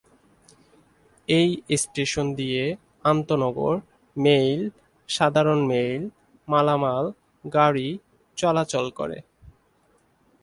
এই স্টেশন দিয়ে আন্তঃনগর, মেইল, সাধারণ মেইল, মালামাল গাড়ি চলাচল করে।